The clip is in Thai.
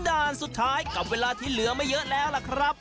ด้านสุดท้ายกับเวลาที่เหลือไม่เยอะแล้วล่ะครับ